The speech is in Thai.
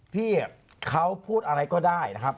พี่เขาพูดอะไรก็ได้นะครับ